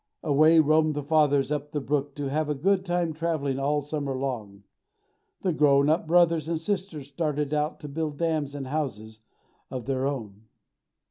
Away roamed the fathers up the brook, to have a good time travelling all summer long. The grown up brothers and sisters started out to build dams and houses of their own.